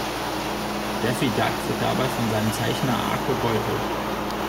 Daffy Duck wird dabei von seinem Zeichner arg gebeutelt.